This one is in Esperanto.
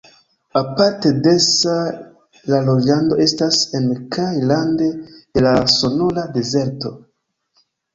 Aparte densa la loĝado estas en kaj rande de la Sonora-dezerto.